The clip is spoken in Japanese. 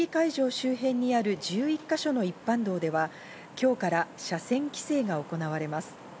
周辺にある１１か所の一般道では今日から車線規制が行われます。